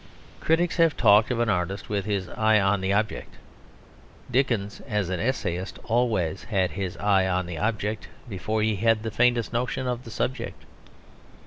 Critics have talked of an artist with his eye on the object. Dickens as an essayist always had his eye on an object before he had the faintest notion of a subject.